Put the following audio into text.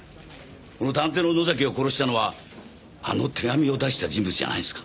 この探偵の野崎を殺したのはあの手紙を出した人物じゃないですか？